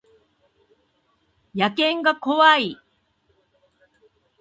野犬が怖い